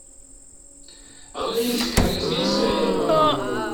Γlayit tkeryas di Lezzayer.